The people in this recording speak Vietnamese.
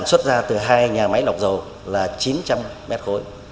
xuất ra từ hai nhà máy lọc dầu là chín trăm linh mét khối